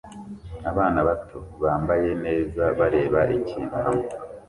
Abana bato bambaye neza bareba ikintu hamwe